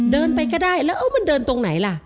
เดินไปก็ได้แล้วมันเดินตรงไหนล่ะ